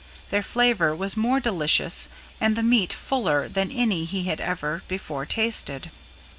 Their flavor was more delicious and the meat fuller than any he had ever before tasted.